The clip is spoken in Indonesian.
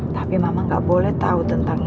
tapi mama gak boleh tahu tentang